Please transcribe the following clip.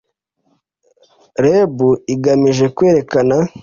reb igamije kwerekana